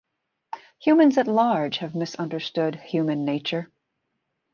Humans at large have misunderstood human nature.